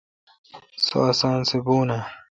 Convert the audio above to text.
سو اسان سہ بھون اے۔